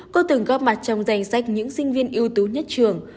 cô từng góp mặt trong danh sách những sinh viên ưu tú nhất trường